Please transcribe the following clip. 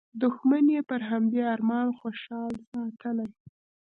دوښمن یې پر همدې ارمان خوشحال ساتلی.